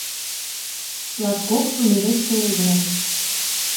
Латкок тумерет койылдале.